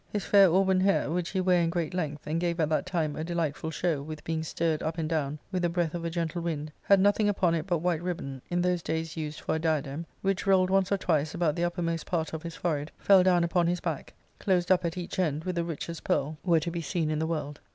His fair auburn hair, which he ware in great length, and gave at that time a delightful show with being stirred up and down with the breath of a gentle wind, had nothing upon it but white ribbon, in those days used for a diadem, which, rolled once or twice about the uppermost part of his forehead, fell down upon his back, closed up at each end with the richest pearl were to be seen in the world.